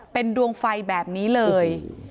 เป็นดวงไฟแบบนี้เลย